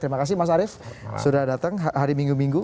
terima kasih mas arief sudah datang hari minggu minggu